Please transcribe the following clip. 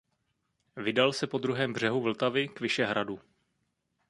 Vydal se po druhém břehu Vltavy k Vyšehradu.